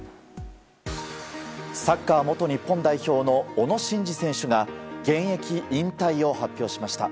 サッカー元日本代表の小野伸二選手が現役引退を発表しました。